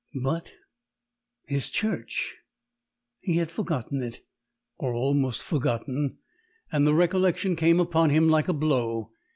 But ... his church? He had forgotten it, or almost forgotten; and the recollection came upon him like a blow.